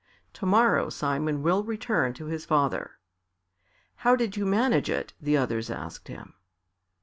"To morrow Simon will return to his father." "How did you manage it?" the others asked him.